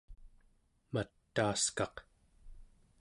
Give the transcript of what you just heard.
mataaskaq